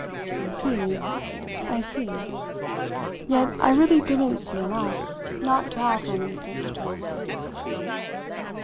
"I see I see." Yet I really didn't see enough not to have for an instant to turn away.